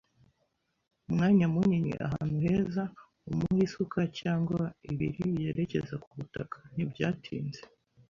umwanya munini, ahantu heza, umuhe isuka cyangwa ibiri yerekeza ku butaka. ” Ntibyatinze